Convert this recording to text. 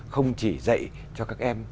không chỉ dạy cho các em